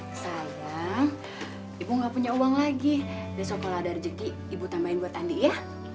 sayang ibu nggak punya uang lagi besok kalau ada rezeki ibu tambahin buat andi ya